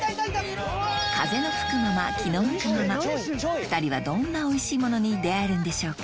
風の吹くまま気の向くまま２人はどんなおいしいものに出合えるんでしょうか？